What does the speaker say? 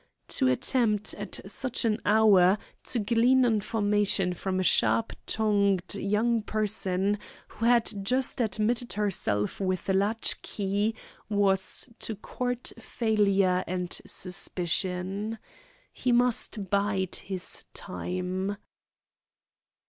To attempt, at such an hour, to glean information from the sharp tongued young person who had just admitted herself with a latchkey, was to court failure and suspicion. He must bide his time.